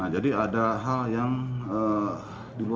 jadi ada hal yang di luar